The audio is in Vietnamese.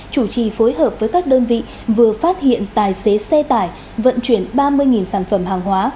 chủ trì phối hợp với các đơn vị vừa phát hiện tài xế xe tải vận chuyển ba mươi sản phẩm hàng hóa